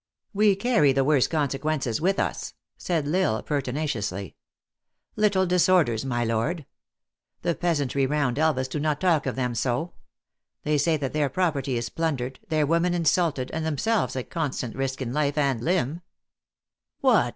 " We carry the worse consequences with us," said L Isle, pertinaciously. " Little disorders, my lord ! The peasantry round Elvas do not talk of them so. They say that their property is plundered, their women insulted, and themselves at constant risk in life and limb." "What